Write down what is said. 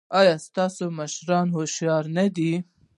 ایا ستاسو مشران هوښیار نه دي؟